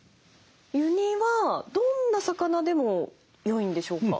湯煮はどんな魚でもよいんでしょうか？